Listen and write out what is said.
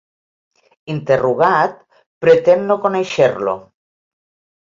Interrogat, pretén no conèixer-lo.